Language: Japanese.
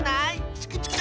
チクチク！